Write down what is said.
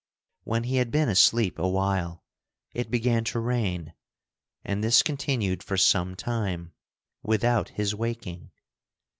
When he had been asleep a while, it began to rain, and this continued for some time, without his waking.